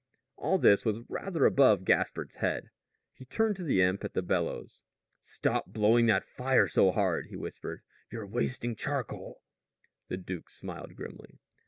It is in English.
All this was rather above Gaspard's head. He turned to the imp at the bellows. "Stop blowing that fire so hard," he whispered. "You're wasting charcoal." The duke smiled grimly.